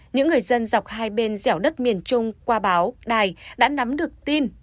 những người dân dọc hai bên dẻo đất miền trung qua báo đài đã nắm được tin